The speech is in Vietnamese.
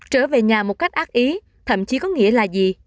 trở về nhà một cách ác ý thậm chí có nghĩa là gì